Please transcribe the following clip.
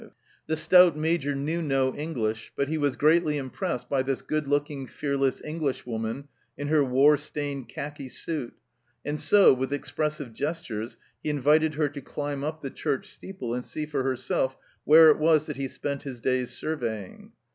The stout Major knew no English, but he was greatly impressed by this good looking, fearless Englishwoman in her war stained khaki suit, and so, with expressive gestures, he invited her to climb up the church steeple and see for herself where it was that he spent his days surveying.